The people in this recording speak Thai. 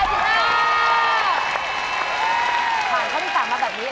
ผ่านข้อที่๓มาแบบนี้